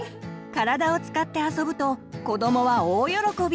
体を使って遊ぶと子どもは大喜び！